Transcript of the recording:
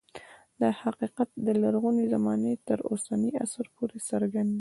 دا حقیقت له لرغونې زمانې تر اوسني عصر پورې څرګند دی